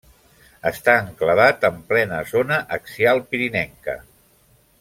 Està enclavat en plena zona axial pirinenca.